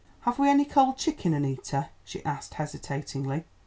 "Have we any cold chicken, Annita?" she asked hesitatingly.